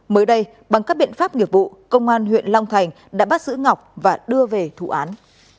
mới đây bằng các biện pháp nghiệp vụ công an huyện long thành đã bắt giữ ngọc và đưa về thủ án